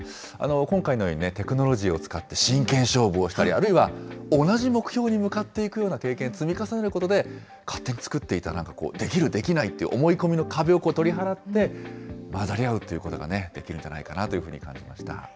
今回のようにテクノロジーを使って真剣勝負をしたり、あるいは同じ目標に向かっていくような経験を積み重ねることで、勝手に作っていたできる、できないっていう思い込みの壁を取り払って、混ざり合うということができるんじゃないかなというふうに感じました。